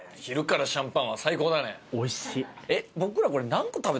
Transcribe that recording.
おいしい。